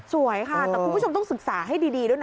สวยค่ะแต่คุณผู้ชมต้องศึกษาให้ดีด้วยนะ